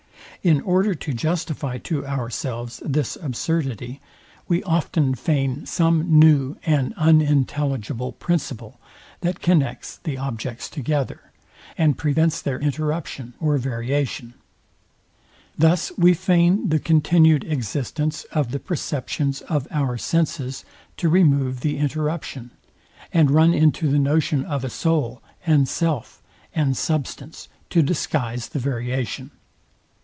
In order to justify to ourselves this absurdity, we often feign some new and unintelligible principle, that connects the objects together, and prevents their interruption or variation. Thus we feign the continued existence of the perceptions of our senses, to remove the interruption: and run into the notion of a soul, and self, and substance, to disguise the variation.